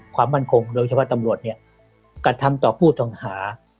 ความมั่นคงโดยเฉพาะตำรวจเนี่ยกระทำต่อผู้ต้องหา